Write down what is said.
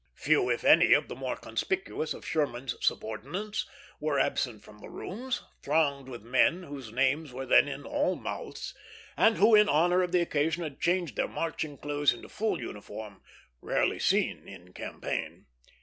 Few, if any, of the more conspicuous of Sherman's subordinates were absent from the rooms, thronged with men whose names were then in all mouths, and who in honor of the occasion had changed their marching clothes for full uniform, rarely seen in campaign.